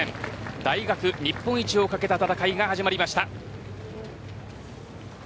大学日本一を懸けた戦いが始まりました。